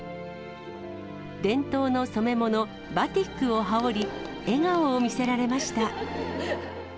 伝統の染め物、バティックを羽織り、笑顔を見せられました。